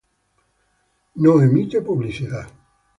No emite publicidad.